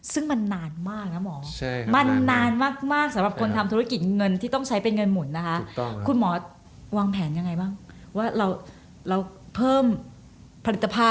สำหรับคนทำธุรกิจเงินที่ต้องใช้เป็นเงินหมุนนะคะ